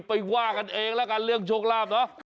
ไปว่ากันเองละกันเรื่องโจราบเนาะ